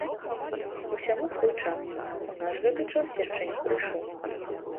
Усяму свой час, у нас гэты час яшчэ не прыйшоў.